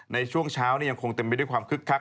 ในช่วงเช้ายังคงเต็มไปด้วยความคึกคัก